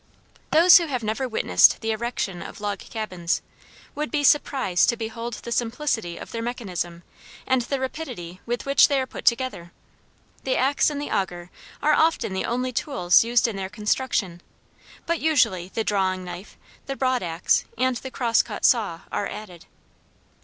Those who have never witnessed the erection of log cabins, would be surprised to behold the simplicity of their mechanism, and the rapidity with which they are put together. The axe and the auger are often the only tools used in their construction, but usually the drawing knife, the broad axe, and the crosscut saw are added.